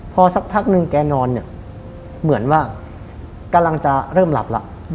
พอสักพักนึงแกนอนเนี่ยเหมือนว่ากำลังจะเริ่มหลับแล้ว